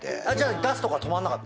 ガスとか止まんなかった？